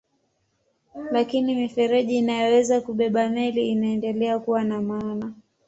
Lakini mifereji inayoweza kubeba meli inaendelea kuwa na maana.